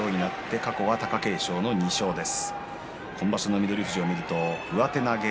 過去は貴景勝の２勝です。